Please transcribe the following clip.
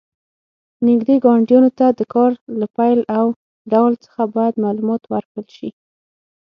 نږدې ګاونډیانو ته د کار له پیل او ډول څخه باید معلومات ورکړل شي.